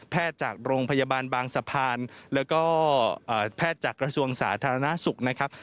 จากโรงพยาบาลบางสะพานแล้วก็แพทย์จากกระทรวงสาธารณสุขนะครับ